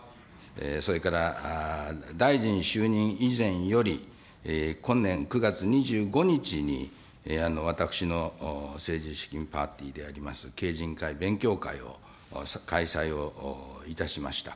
それから大臣就任以前より、今年９月２５日に私の政治資金パーティーであります、敬人会勉強会を開催をいたしました。